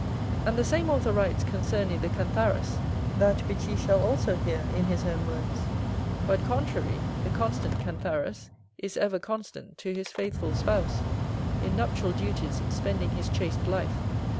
And the same author writes concerning the Cantharus, that which you shall also hear in his own words: But, contrary, the constant Cantharus Is ever constant to his faithful spouse In nuptial duties, spending his chaste life.